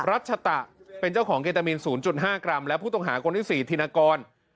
รัชตะเป็นเจ้าของเคตามีน๐๕กรัมและผู้ต้องหาคนที่๔ธีนกร